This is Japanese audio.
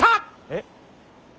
えっ。